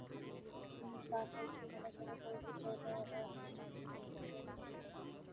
নিজের পা টা একটু নাড়াচাড়া করতে চাইলেও অন্যের সাহায্যের প্রয়োজন হয়।